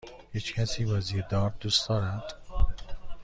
هیچکسی بازی دارت دوست دارد؟